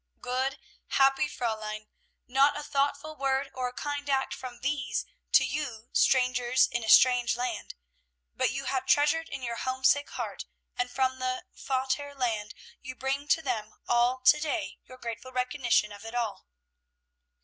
Good, happy Fräulein! Not a thoughtful word or a kind act from these to you strangers in a strange land, but you have treasured in your homesick heart, and from the Vater Land you bring to them all to day your grateful recognition of it all!